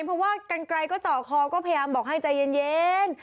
เพราะว่ากันไกลก็เจาะคอก็พยายามบอกให้ใจเย็น